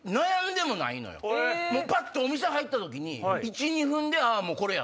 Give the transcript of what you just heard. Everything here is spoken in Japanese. ぱっとお店入った時に１２分でこれや！